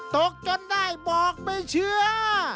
จนได้บอกไม่เชื่อ